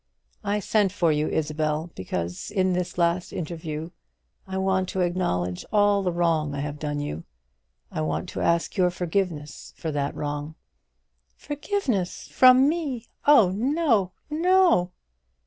I sent for you, Isabel, because in this last interview I want to acknowledge all the wrong I have done you; I want to ask your forgiveness for that wrong." "Forgiveness from me! Oh, no, no!"